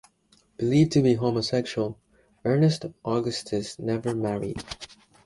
Believed to be homosexual, Ernest Augustus never married.